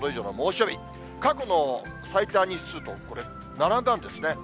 過去の最多日数と、これ、並んだんですね。